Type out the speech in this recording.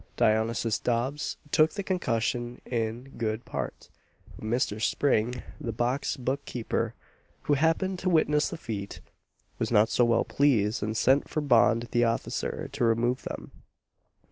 Dionysius Dobbs took the concussion in good part; but Mr. Spring, the box book keeper, who happened to witness the feat, was not so well pleased, and sent for Bond, the officer, to remove them.